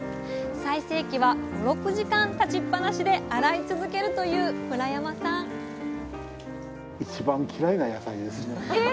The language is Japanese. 最盛期は５６時間立ちっぱなしで洗い続けるという村山さんえ